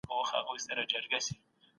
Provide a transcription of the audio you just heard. حضرت آدم د علم له امله لوړ مقام وموند.